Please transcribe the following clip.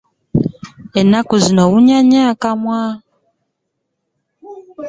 Ennaku zino owunya nnyo akamwa.